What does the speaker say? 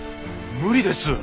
無理です！